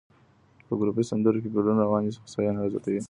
په ګروپي سندرو کې ګډون رواني هوساینه زیاتوي.